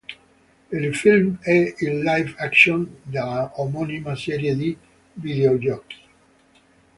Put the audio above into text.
Il film è il live action della omonima serie di videogiochi.